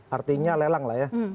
artinya lelang lah ya